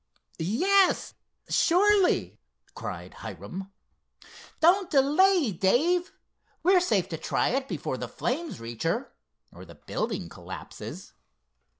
"Yes—surely!" cried Hiram. "Don't delay, Dave. We're safe to try it, before the flames reach her, or the building collapses."